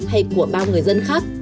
hay của bao người dân khác